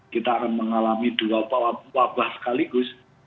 kita akan mengalami dua wabah sekaligus